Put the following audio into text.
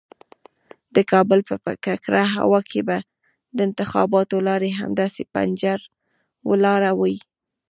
د کابل په ککړه هوا کې به د انتخاباتو لارۍ همداسې پنجر ولاړه وي.